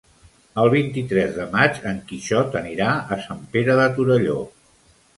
El vint-i-tres de maig en Quixot anirà a Sant Pere de Torelló.